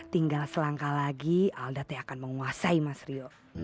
tinggal selangkah lagi alda t akan menguasai mas rio